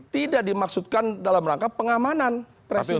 tidak dimaksudkan dalam rangka pengamanan presiden